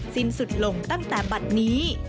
สิ้นสุดลงตั้งแต่บัตรนี้